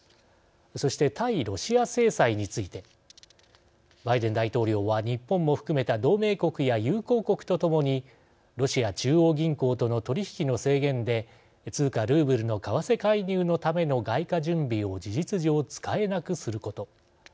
そして、対ロシア制裁についてバイデン大統領は日本も含めた同盟国や友好国とともにロシア中央銀行との取引の制限で通貨、ルーブルの為替介入のための外貨準備を事実上、使えなくすること。